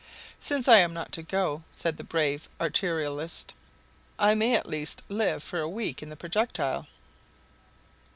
"Since I am not to go," said the brave artillerist, "I may at least live for a week in the projectile."